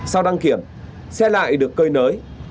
sau đăng kiểm xe lại được cơi nới